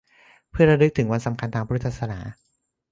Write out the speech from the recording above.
เพื่อระลึกถึงวันสำคัญทางพระพุทธศาสนา